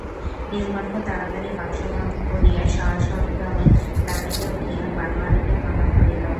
নীলকণ্ঠ তাড়াতাড়ি বাক্স বন্ধ করিয়া সসম্ভ্রমে দাঁড়াইয়া উঠিয়া বনোয়ারিকে প্রণাম করিল।